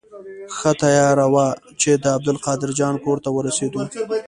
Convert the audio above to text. ښه تیاره وه چې د عبدالقاهر جان کور ته ورسېدو.